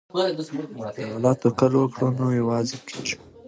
که پر الله توکل وکړو نو نه یوازې کیږو.